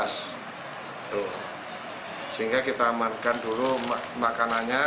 sehingga kita amankan dulu makanannya